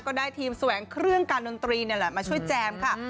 ก็ได้ทีมแสวงเครื่องการดนตรีนี่แหละมาช่วยแจมค่ะ